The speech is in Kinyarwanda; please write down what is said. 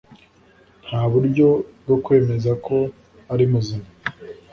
Nta buryo bwo kwemeza ko ari muzima